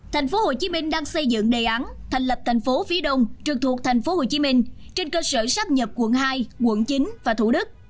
thành phố hồ chí minh đang xây dựng đề án thành lập thành phố phía đông trực thuộc thành phố hồ chí minh trên cơ sở sắp nhập quận hai quận chín và thủ đức